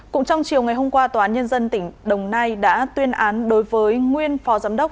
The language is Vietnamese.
cũng trong chiều ngày hôm qua tòa án nhân dân tỉnh đồng nai đã tuyên án đối với nguyên phó giám đốc